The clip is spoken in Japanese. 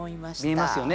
見えますよね